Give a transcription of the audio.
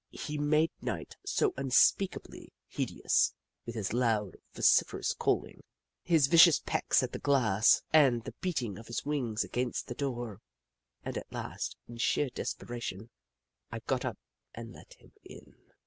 He made night so unspeakably hideous with his loud and vo ciferous calling, his vicious pecks at the glass, 1 1 2 The Book of Clever Beasts and the beating of his wings against the door, that at last, in sheer desperation, I got up and let him in.